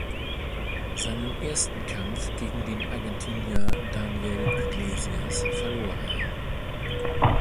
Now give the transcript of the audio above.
Seinen ersten Kampf gegen den Argentinier Daniel Iglesias verlor er.